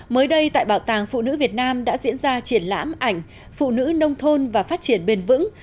mới đây tại bảo tàng phụ nữ việt nam đã diễn ra triển lãm ảnh phụ nữ nông thôn và phát triển bền vững